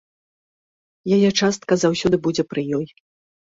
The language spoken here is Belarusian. Яе частка заўсёды будзе пры ёй.